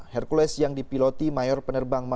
hercules yang dipiloti mayor penerbang